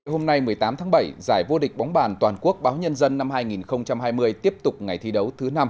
hôm nay một mươi tám tháng bảy giải vô địch bóng bàn toàn quốc báo nhân dân năm hai nghìn hai mươi tiếp tục ngày thi đấu thứ năm